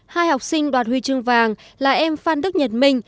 hai học sinh đoạt huy chương vàng là em phan đức nhật minh